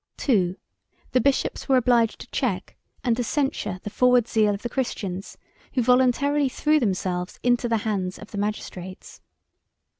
180 2. The bishops were obliged to check and to censure the forward zeal of the Christians, who voluntarily threw themselves into the hands of the magistrates.